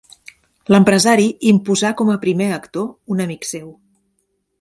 L'empresari imposà com a primer actor un amic seu.